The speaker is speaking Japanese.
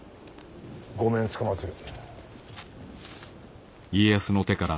御免つかまつる。